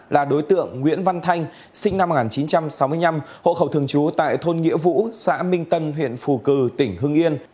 là đối tượng nguyễn văn thanh sinh năm một nghìn chín trăm sáu mươi năm hộ khẩu thường trú tại thôn nghĩa vũ xã minh tân huyện phù cử tỉnh hưng yên